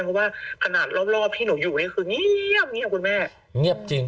เพราะว่าขนาดรอบที่หนูอยู่นี่คือเงียบเงียบคุณแม่เงียบจริง